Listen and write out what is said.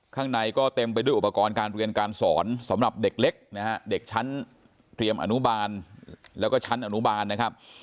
ข้างในก็เต็มไปด้วยอุปกรณ์การเรียนการสอนสำหรับเด็กเล็กนะฮะเด็กชั้นเตรียมอนุบาลแล้วก็ชั้นอนุบาลนะครับ